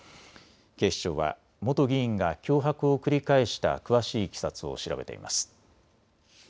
警視庁は元議員が脅迫を繰り返した詳しいいきさつを調べています。